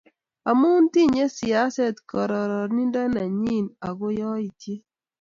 amu tinyei siaset gororonindo nenyi ako yaityet